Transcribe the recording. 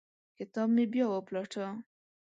کتاب مې بیا وپلټه.